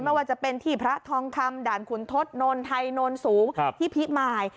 มหาว่าจะเป็นที่พระทองคำด่านขุนทศนลไทยนลสูฯภิมาย